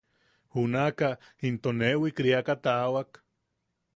Junakaʼa into ne wikiriaka taawak.